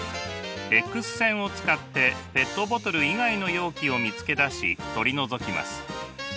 Ｘ線を使ってペットボトル以外の容器を見つけ出し取り除きます。